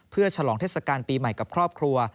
เพื่อฉลองเทศกาลปีใหม่กับครอบครัว